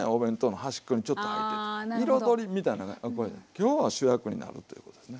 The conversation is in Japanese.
今日は主役になるっていうことですね。